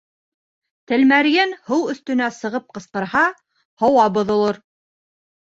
Тәлмәрйен һыу өҫтөнә сығып ҡысҡырһа, һауа боҙолор.